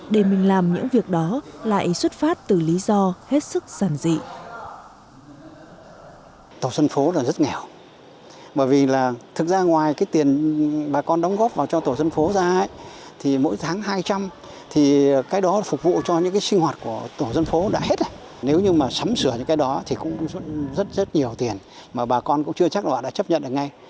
để mình làm những việc đó lại xuất phát từ lý do hết sức sẵn dị